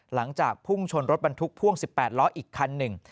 หลังจากพุ่งชนรถบรรทุกพ่วง๑๘ล้ออีกคันหนึ่ง